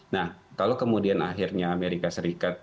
nah kalau kemudian akhirnya amerika serikat